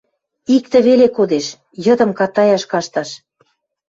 Иктӹ веле кодеш: йыдым катаяш кашташ.